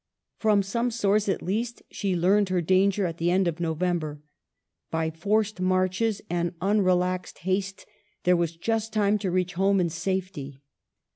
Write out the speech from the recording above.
From some source, at least, she learned her danger at the end of November. By forced marches and unrelaxed haste there was just time to reach home in safety.